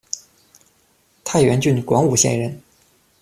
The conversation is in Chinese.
太原郡广武县人。